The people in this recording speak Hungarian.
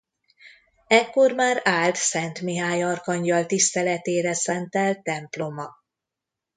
Ekkor már állt Szent Mihály arkangyal tiszteletére szentelt temploma.